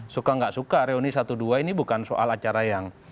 suka nggak suka reuni satu dua ini bukan soal acara yang